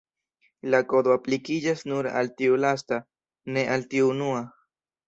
La Kodo aplikiĝas nur al tiu lasta, ne al tiu unua.